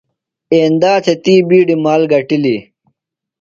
ایندا تھےۡ تی بِیڈیۡ مال گٹِلیۡ۔